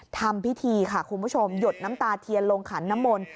ทำพิธียดน้ำตาเทียนโรงขันน้ำมล